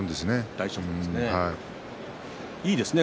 大翔鵬ですね。